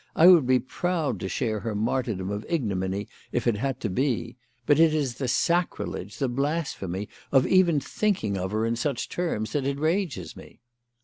I would be proud to share her martyrdom of ignominy, if it had to be; but it is the sacrilege, the blasphemy of even thinking of her in such terms, that enrages me."